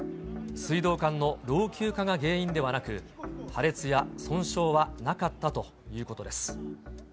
水道管の老朽化が原因ではなく、破裂や損傷はなかったということです。